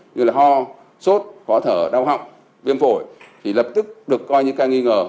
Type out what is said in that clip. như là ho sốt khó thở đau họng viêm phổi thì lập tức được coi như ca nghi ngờ